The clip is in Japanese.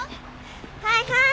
はいはい。